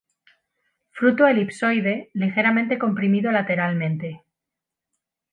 Fruto elipsoide, ligeramente comprimido lateralmente.